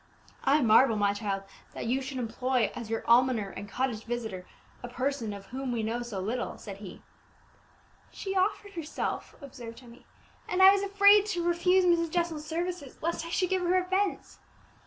"I marvel, my child, that you should employ as your almoner and cottage visitor a person of whom we know so little," said he. "She offered herself," observed Emmie, "and I was afraid to refuse Mrs. Jessel's services, lest I should give her offence.